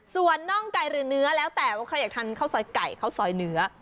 ส่วนน่องไก่หรือเนื้อแล้วแต่ว่าใครอยากทานข้าวซอยไก่ข้าวซอยเนื้อ